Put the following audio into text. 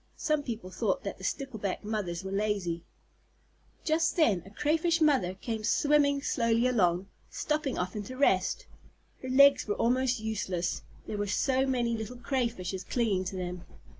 Some people thought that the Stickleback Mothers were lazy. Just then a Crayfish Mother came swimming slowly along, stopping often to rest. Her legs were almost useless, there were so many little Crayfishes clinging to them.